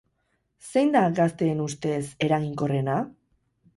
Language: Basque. Zein da, gazteen ustez, eraginkorrena?